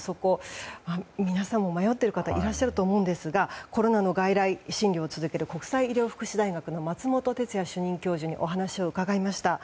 皆さんも迷っている方いらっしゃると思うんですがコロナの外来診療を続ける国際医療福祉大学の松本哲哉主任教授にお話を伺いました。